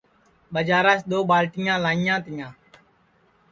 ٻجاراس دؔو ٻالٹیاں لائیںٚا تیاں